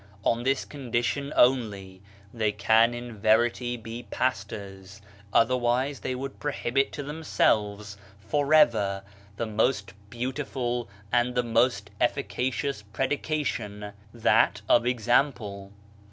On this condition only they can in verity be pastors, otherwise they would prohibit to themselves for ever the 168 BAHAISM most beautiful and the most efficacious predication, that of example.